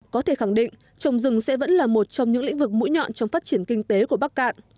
có thể khẳng định trồng rừng sẽ vẫn là một trong những lĩnh vực mũi nhọn trong phát triển kinh tế của bắc cạn